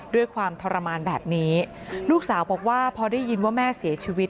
ด้วยความทรมานแบบนี้ลูกสาวบอกว่าพอได้ยินว่าแม่เสียชีวิต